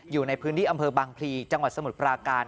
อยู่ในพื้นที่อำเภอบางพลีจังหวัดสมุทรปราการ